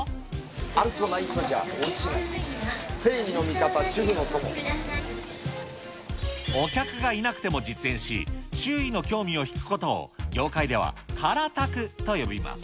あるとないとじゃ大違い、正義の味方、お客がいなくても実演し、周囲の興味を引くことを、業界では空卓と呼びます。